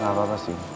gak apa apa sih